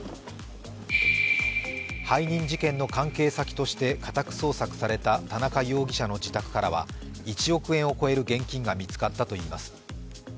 背任事件の関係先として家宅捜索された田中容疑者の自宅からは８億円を超える現金が見つかったということです。